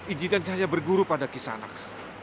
ijidan saya berguru pada kisanak